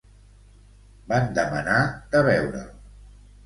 Van demanar de veure'l.